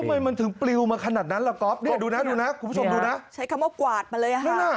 ทำไมมันถึงปลิวมาขนาดนั้นล่ะก๊อฟเนี่ยดูนะดูนะคุณผู้ชมดูนะใช้คำว่ากวาดมาเลยฮะ